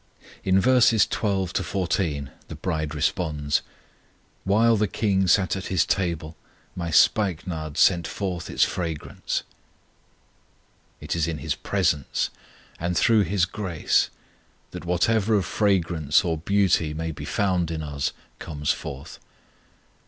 In verses 12 14 the bride responds: While the King sat at His table My spikenard sent forth its fragrance. It is in His presence and through His grace that whatever of fragrance or beauty may be found in us comes forth.